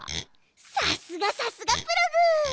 さすがさすがプログ！